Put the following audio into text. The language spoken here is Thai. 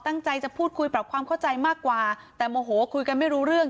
ตั้งใจจะพูดคุยปรับความเข้าใจมากกว่าแต่โมโหคุยกันไม่รู้เรื่อง